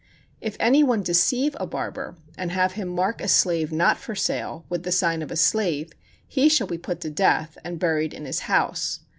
If any one deceive a barber, and have him mark a slave not for sale with the sign of a slave, he shall be put to death, and buried in his house.